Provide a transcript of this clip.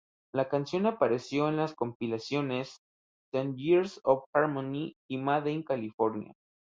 La canción apareció en las compilaciones "Ten Years of Harmony" y "Made in California".